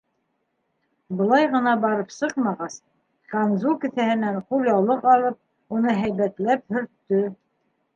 Былай ғына барып сыҡмағас, камзул кеҫәһенән ҡулъяулыҡ алып, уны һәйбәтләп һөрттө.